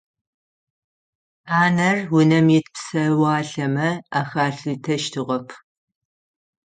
Ӏанэр унэм ит псэуалъэмэ ахалъытэщтыгъэп.